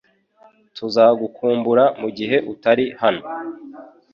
Tuzagukumbura mugihe utari hano